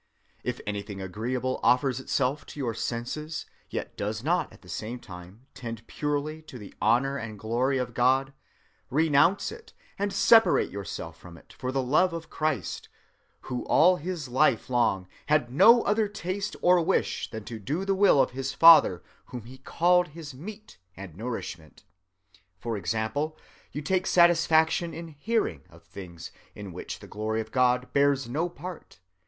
If anything agreeable offers itself to your senses, yet does not at the same time tend purely to the honor and glory of God, renounce it and separate yourself from it for the love of Christ, who all his life long had no other taste or wish than to do the will of his Father whom he called his meat and nourishment. For example, you take satisfaction in hearing of things in which the glory of God bears no part.